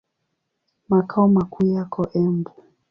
Makao makuu yako Embu.